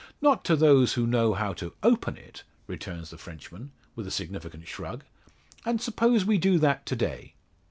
"Not to those who know how to open it," returns the Frenchman, with a significant shrug. "And suppose we do that to day?"